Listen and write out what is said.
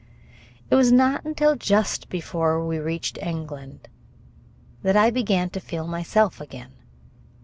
It was not until just before we reached England that I began to feel myself again.